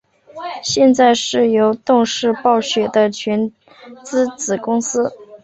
现在是由动视暴雪的全资子公司。